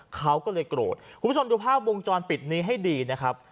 เขาก็เลยโกรธคุณผู้ชมดูภาพวงจรปิดนี้ให้ดีนะครับ